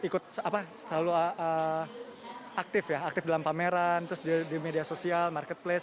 ikut selalu aktif ya aktif dalam pameran terus di media sosial marketplace